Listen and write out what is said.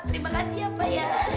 terima kasih ya pak